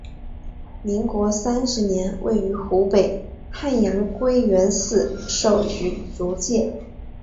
民国三十年于湖北汉阳归元寺受具足戒。